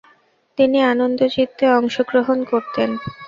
তিনি আনন্দচিত্তে অংশগ্রহণ করতেন।